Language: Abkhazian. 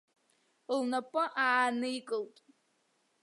Лнапы ааникылт.